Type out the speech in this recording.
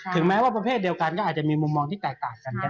แม้ว่าประเภทเดียวกันก็อาจจะมีมุมมองที่แตกต่างกันได้